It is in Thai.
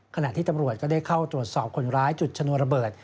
ขณะที่ตำรวจก็ได้เข้าตรวจสอบคนร้ายจุดชนวนระเบิด